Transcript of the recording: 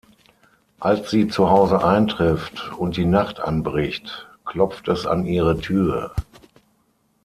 Als sie zu Hause eintrifft und die Nacht anbricht, klopft es an ihre Tür.